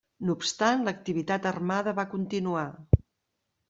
No obstant l'activitat armada va continuar.